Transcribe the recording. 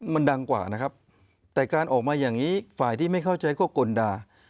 มันดังกว่านะครับแต่การออกมาอย่างนี้ฝ่ายที่ไม่เข้าใจก็กลด่า